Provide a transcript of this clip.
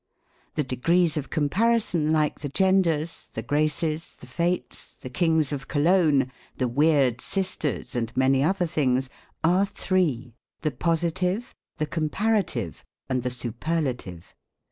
The degrees of comparison, like the Genders, the Graces, the Fates, the Kings of Cologne, the Weird Sisters, and many other things, are three ; the Positive, the Comparative, and the Superlative.